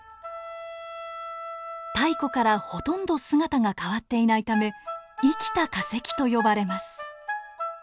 太古からほとんど姿が変わっていないため生きた化石と呼ばれます。